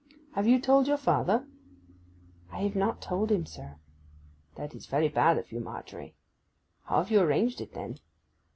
Have you told your father?' 'I have not yet told him, sir.' 'That's very bad of you, Margery. How have you arranged it, then?